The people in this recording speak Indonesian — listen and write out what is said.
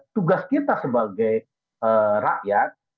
tugas kita sebagai rakyat